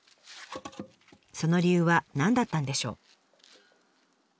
その理由は何だったんでしょう？